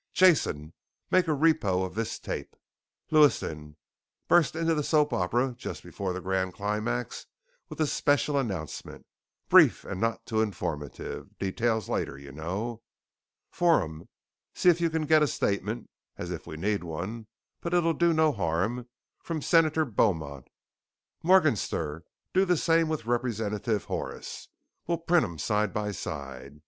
Jason? Make a repro of this tape. Lewiston! Bust into the soap opera just before the grand climax with a 'special announcement.' Brief and not too informative, details later, you know. Forhan, see if you can get a statement as if we need one, but it'll do no harm from Senator Beaumont. Morganser, do the same with Representative Horace. We'll print 'em side by side.